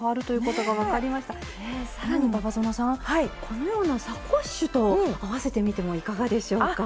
このようなサコッシュと合わせてみてもいかがでしょうか？